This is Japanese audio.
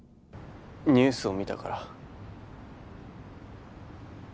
ニュースを見たから。